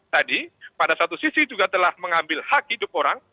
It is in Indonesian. tadi pada satu sisi juga telah mengambil hak hidup orang